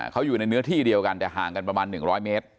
เขาอยู่ในเนื้อที่เดียวกันแต่ห่างกันประมาณ๑๐๐เมตร